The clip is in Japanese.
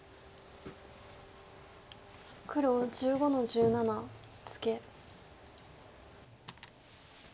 黒１５の十七ツケ。